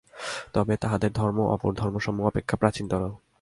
তবে তাহাদের ধর্ম অপর ধর্মসমূহ অপেক্ষা প্রাচীনতর।